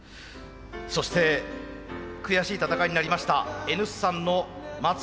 そして悔しい戦いになりましたＮ産の松永リーダー。